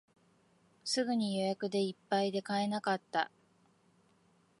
すぐに予約でいっぱいで買えなかった